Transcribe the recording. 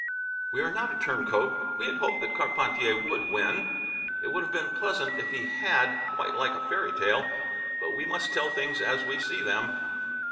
We are not a turncoat; we had hoped that Carpentier would win. It would have been pleasant if he had, quite like a fairy tale. But we must tell things as we see them.